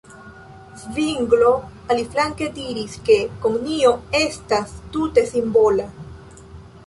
Zvinglo, aliflanke, diris, ke komunio estas tute simbola.